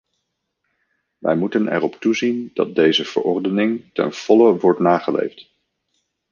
Wij moeten erop toezien dat deze verordening ten volle wordt nageleefd.